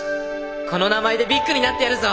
この名前でビッグになってやるぞ！